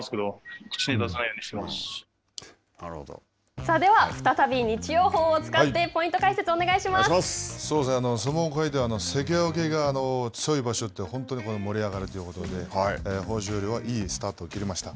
さあでは再び日曜鵬を使って相撲界では関脇が強い場所って、本当に盛り上がるということで豊昇龍はいいスタートを切りました。